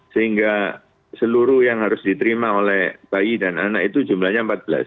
sehingga seluruh yang harus diterima oleh bayi dan anak itu jumlahnya empat belas